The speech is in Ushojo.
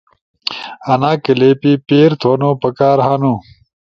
انا کلپ پیر تھونو پکار ہنو۔